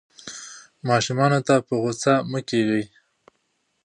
ماشومانو ته په غوسه مه کېږئ.